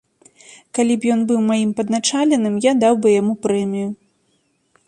Калі б ён быў маім падначаленым, я даў бы яму прэмію.